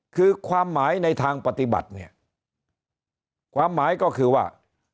คือความหมายในทางปฏิบัติเนี่ยความหมายก็คือว่า